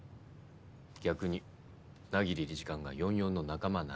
逆に百鬼理事官が４４の仲間なら。